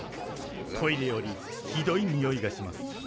トイレよりひどい臭いがします。